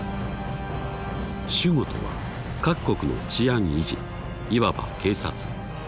守護とは各国の治安維持いわば警察。